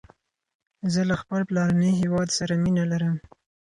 زه له خپل پلارنی هیواد سره مینه لرم